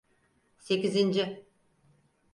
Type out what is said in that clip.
Sekizinci.